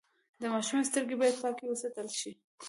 د ماشوم سترګې باید پاکې وساتل شي۔